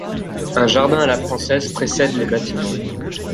Un jardin à la française précède les bâtiments.